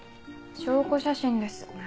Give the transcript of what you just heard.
証拠写真です。